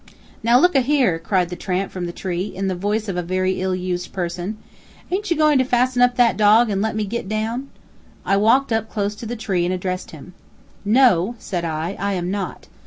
"Now, look a here," cried the tramp from the tree, in the voice of a very ill used person, "ain't you goin' to fasten up that dog, and let me git down?" I walked up close to the tree and addressed him. "No," said I, "I am not.